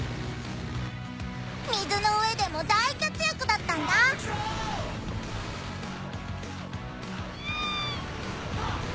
水の上でも大活躍だったんだニャーッ！